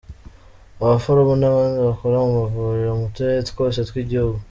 abaforomo n’abandi bakora mu mavuriro mu turere twose tw’igihugu.